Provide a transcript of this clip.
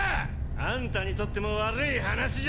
アンタにとっても悪い話じゃ。